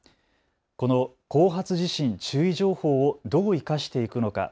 この後発地震注意情報をどう生かしていくのか。